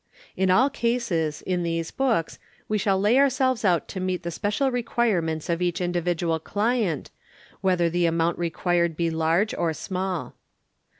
In all cases, in these books, we shall lay ourselves out to meet the special requirements of each individual client, whether the amount required be large or small.